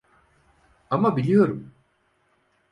Ama biliyorum.